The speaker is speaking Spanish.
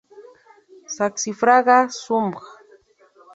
Saxifraga subg.